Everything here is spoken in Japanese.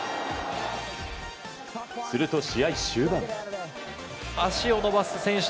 すると、試合終盤。